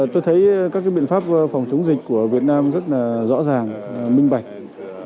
tôi thấy các biện pháp phòng chống dịch của việt nam rất là rõ ràng minh bạch